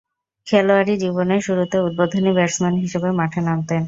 খেলোয়াড়ী জীবনের শুরুতে উদ্বোধনী ব্যাটসম্যান হিসেবে মাঠে নামতেন।